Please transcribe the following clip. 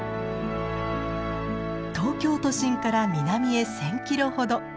東京都心から南へ１，０００キロほど。